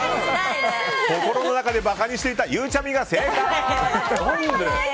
心の中で馬鹿にしていたゆうちゃみが正解！